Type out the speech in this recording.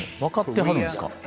分かってはるんですか？